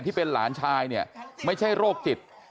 ที่เป็นหลานชายเนี่ยไม่ใช่โรคจิต